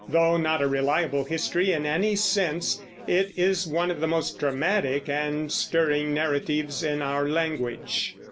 Though not a reliable history in any sense, it is one of the most dramatic and stirring narratives in our language.